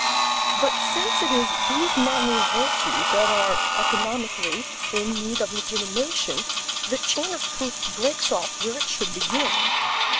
But since it is these manly virtues that are (economically) in need of legitimation, the chain of proof breaks off where it should begin.